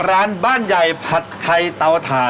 ร้านบ้านใหญ่ผัดไทยเตาถ่าน